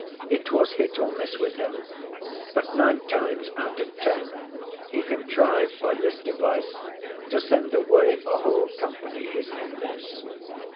It was hit or miss with him; but nine times out of ten, he contrived by this device to send away a whole company his enemies.